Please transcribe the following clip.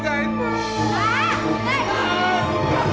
iban emang berani banget iban